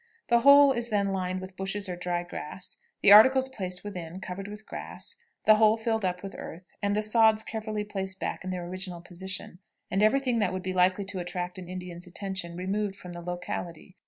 The hole is then lined with bushes or dry grass, the articles placed within, covered with grass, the hole filled up with earth, and the sods carefully placed back in their original position, and every thing that would be likely to attract an Indian's attention removed from the locality.